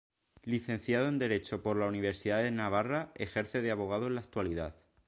Licenciado en Derecho por la Universidad de Navarra, ejerce de abogado en la actualidad.